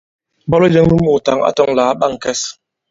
Ìbwalo jɛ̄ŋ nu muùtaŋ a tɔ̄ŋ lā ǎ ɓā ŋ̀kɛs.